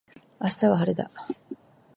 明日は晴れだ。